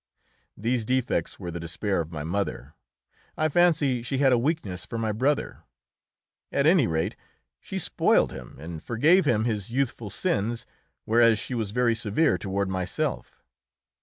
These defects were the despair of my mother. I fancy she had a weakness for my brother. At any rate, she spoiled him and forgave him his youthful sins, whereas she was very severe toward myself.